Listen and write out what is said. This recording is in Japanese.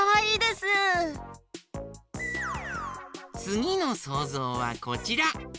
つぎのそうぞうはこちら。